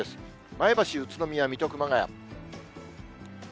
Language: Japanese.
前橋、宇都宮、水戸、熊谷。